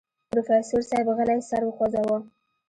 پروفيسر صيب غلی سر وخوځوه.